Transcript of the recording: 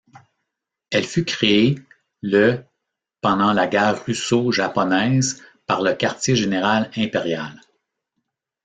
Elle fut créée le pendant la guerre russo-japonaise par le quartier général impérial.